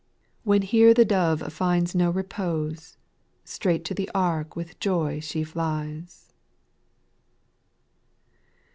When here the dove finds no repose, Straight to the ark with joy she flies.